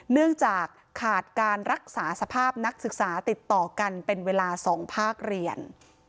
เนื่องจากขาดการรักษาสภาพนักศึกษาติดต่อกันเป็นเวลา๒ภาคเรียน